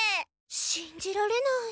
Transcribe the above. しんじられない。